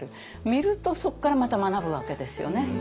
見るとそこからまた学ぶわけですよね。